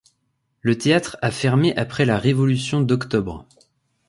Le théâtre a fermé après la Révolution d'Octobre.